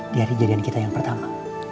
di hari jadian kita yang pertama